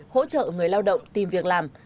hỗ trợ người lao động tìm việc làm